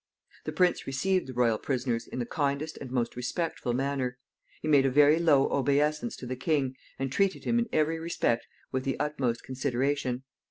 The prince received the royal prisoners in the kindest and most respectful manner. He made a very low obeisance to the king, and treated him in every respect with the utmost consideration.